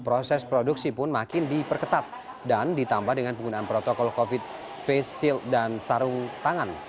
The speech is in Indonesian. proses produksi pun makin diperketat dan ditambah dengan penggunaan protokol covid face shield dan sarung tangan